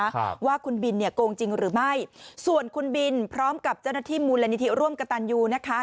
ครับว่าคุณบินเนี่ยโกงจริงหรือไม่ส่วนคุณบินพร้อมกับเจ้าหน้าที่มูลนิธิร่วมกระตันยูนะคะ